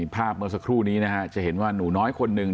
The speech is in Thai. ภาพเมื่อสักครู่นี้นะฮะจะเห็นว่าหนูน้อยคนหนึ่ง